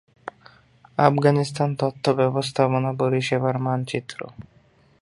আফগানিস্তান তথ্য ব্যবস্থাপনা পরিষেবার মানচিত্র